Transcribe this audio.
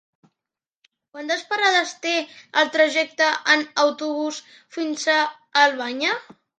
Quantes parades té el trajecte en autobús fins a Albanyà?